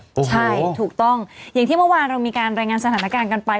ใช่ถูกต้องอย่างที่เมื่อวานเรามีการรายงานสถานการณ์กันไป